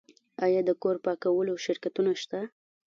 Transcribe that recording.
آیا د کور پاکولو شرکتونه شته؟